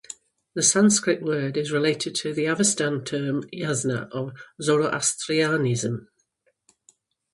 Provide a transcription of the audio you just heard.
The Sanskrit word is related to the Avestan term "yasna" of Zoroastrianism.